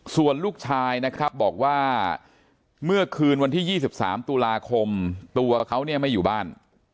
ส่วนลูกชายนะครับบอกว่าเมื่อคืนวันที่๒๓ตุลาคมตัวเขาเนี่ยไม่อยู่บ้าน